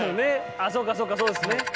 あそうかそうかそうですね。